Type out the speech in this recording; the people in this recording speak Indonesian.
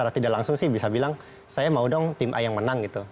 secara tidak langsung sih bisa bilang saya mau dong tim a yang menang gitu